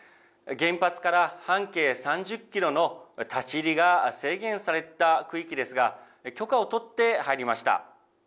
原発から半径３０キロの立ち入りが制限された区域ですが、許可を取って入りました。